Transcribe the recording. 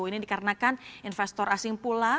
ini dikarenakan investor asing pula